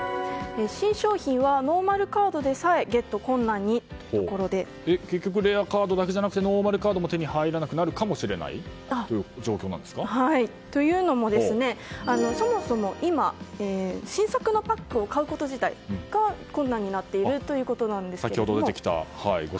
新商品はノーマルカードでさえ結局、レアカードだけじゃなくノーマルカードも手に入らなくなるかもしれないというのもそもそも今、新作のパックを買うこと自体が困難になっているということです。